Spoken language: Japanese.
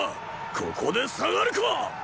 ここで退がるかっ！